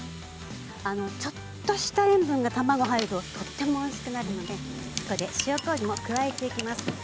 ちょっとした塩分が卵に入るととてもおいしくなりますので塩こうじも加えていきます。